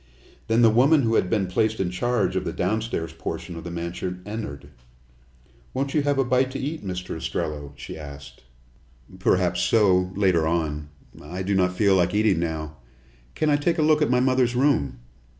Then the woman who had been placed in charge of the downstairs portion of the mansion entered. "Won't you have a bite to eat, Mr. Ostrello?" she asked. "Perhaps so, later on. I do not feel like eating now. Can I take a look at my mother's room?"